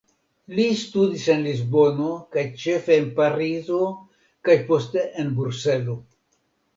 Li studis en Lisbono kaj ĉefe en Parizo kaj poste en Bruselo.